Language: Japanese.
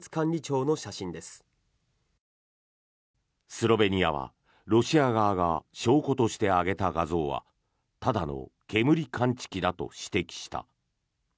スロベニアは、ロシア側が証拠として上げた画像はただの煙感知器だと指摘した。